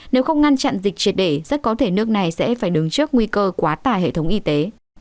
nếu không ngăn chặn dịch triệt để rất có thể nước này sẽ phải đứng trước nguy cơ quá tải hệ thống y tế